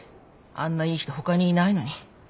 あんないい人他にいないのに。